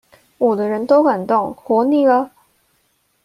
我的人都敢動，活膩了？